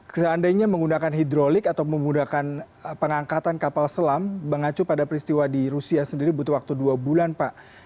seandainya menggunakan hidrolik atau menggunakan pengangkatan kapal selam mengacu pada peristiwa di rusia sendiri butuh waktu dua bulan pak